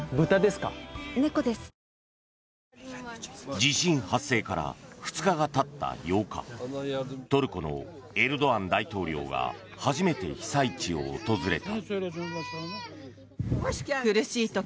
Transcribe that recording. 地震発生から２日がたった８日トルコのエルドアン大統領が初めて被災地を訪れた。